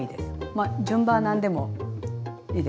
まあ順番は何でもいいです。